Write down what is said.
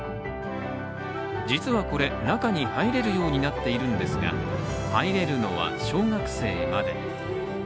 実はこれ、中に入れるようになっているんですが、入れるのは小学生まで。